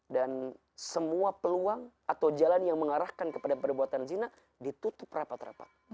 dan semua peluang atau jalan yang mengarahkan kepada perbuatan zina ditutup rapat rapat